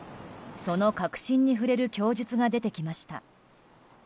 その核心に触れる供述が出てきました。